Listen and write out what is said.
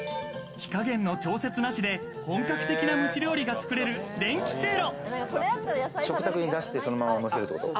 火加減の調節なしで、本格的な蒸し料理が作れる電気せいろ。